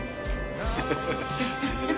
ハハハハ。